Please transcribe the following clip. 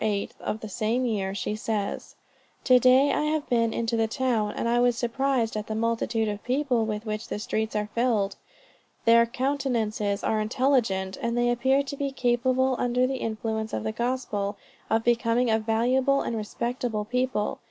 8th of the same year, she says: "To day I have been into the town, and I was surprised at the multitude of people with which the streets are filled. Their countenances are intelligent; and they appear to be capable under the influence of the Gospel, of becoming a valuable and respectable people.